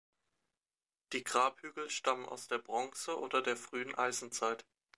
Die Grabhügel stammen aus der Bronze oder frühen Eisenzeit.